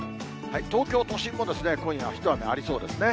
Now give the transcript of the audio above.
東京都心も今夜は一雨ありそうですね。